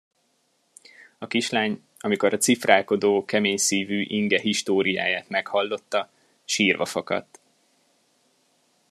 A kislány, amikor a cifrálkodó, kemény szívű Inge históriáját meghallotta, sírva fakadt.